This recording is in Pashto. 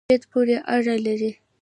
طبعیت پوری اړه لری